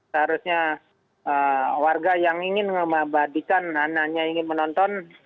seharusnya warga yang ingin mengabadikan anaknya ingin menonton